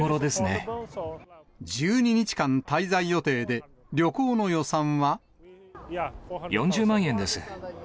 １２日間滞在予定で、旅行の４０万円です。